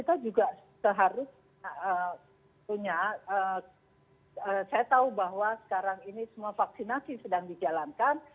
kita juga seharusnya saya tahu bahwa sekarang ini semua vaksinasi sedang dijalankan